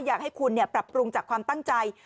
อยากให้คุณปรับปรุงจากความตั้งใจ